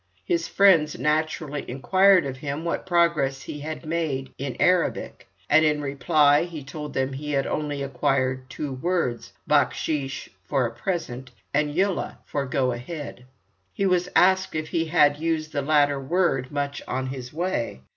His friends naturally inquired of him what progress he had made in Arabic, and in reply he told them he had only acquired two words, bakhshish for a present, and Yullah! for go ahead. He was asked if he had used the latter word much on his way.